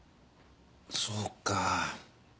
そうか。